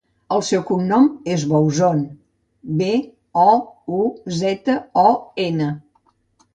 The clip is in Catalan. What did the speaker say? El seu cognom és Bouzon: be, o, u, zeta, o, ena.